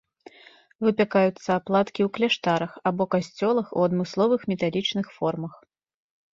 Выпякаюцца аплаткі ў кляштарах або касцёлах у адмысловых металічных формах.